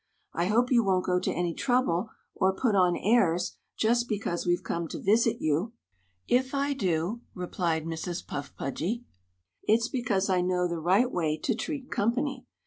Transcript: "I hope you won't go to any trouble, or put on airs, just because we've come to visit you." "If I do," replied Mrs. Puffy Pudgy, "it's because I know the right way to treat company.